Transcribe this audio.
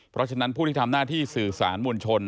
เพราะฉะนั้นผู้ที่ทำหน้าที่สื่อสารมวลชน